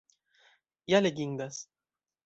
Ja legindas!